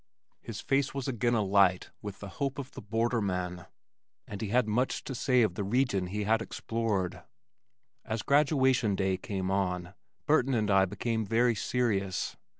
His face was again alight with the hope of the borderman, and he had much to say of the region he had explored. As graduation day came on, Burton and I became very serious.